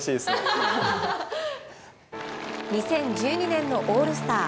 ２０１２年のオールスター。